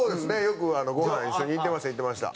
よくごはん一緒に行ってました。